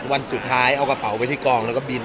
วันสุดท้ายเอากระเป๋าไปที่กองแล้วก็บิน